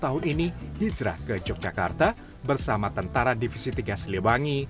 tahun ini hijrah ke yogyakarta bersama tentara divisi tiga siliwangi